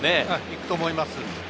行くと思います。